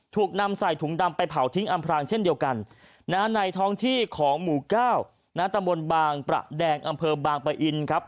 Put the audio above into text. ถูกนำใส่ถุงดำไปเผาทิ้งอำพรางเช่นเดียวกันในท้องที่ของหมู่เก้าณตำบลบางประแดงอำเภอบางปะอินครับ